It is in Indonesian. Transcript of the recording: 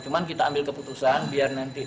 cuman kita ambil keputusan biar nanti gampang dicari